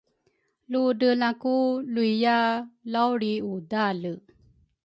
ludrelaku luiya lau lriudale.